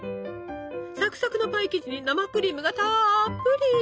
サクサクのパイ生地に生クリームがたっぷり！